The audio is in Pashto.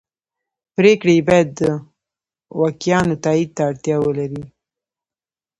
پرېکړې یې باید د دوکیانو تایید ته اړتیا ولري